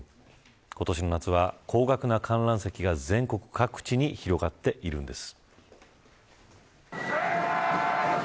今年の夏は高額な観覧席が全国各地に広がっています。